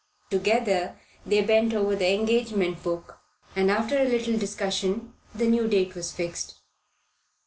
Together they bent over the engagement book, and after a little discussion the new date was fixed.